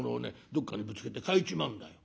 どっかにぶつけて欠いちまうんだよ。